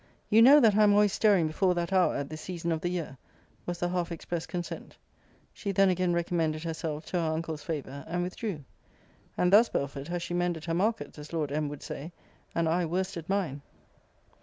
'You know that I am always stirring before that hour, at this season of the year,' was the half expressed consent. She then again recommended herself to her uncle's favour; and withdrew. And thus, Belford, has she mended her markets, as Lord M. would say, and I worsted mine.